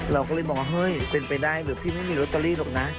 เราก็เลยมองว่าเฮ้ยเป็นไปได้หรือพี่ไม่มีลอตเตอรี่หรอกนะ